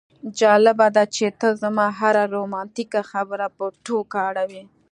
جالبه ده چې ته زما هره رومانتیکه خبره په ټوکه اړوې